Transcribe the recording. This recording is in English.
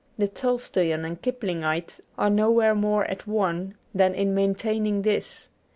The Tolstoian and Kiplingite are nowhere more at one than in maintaining this.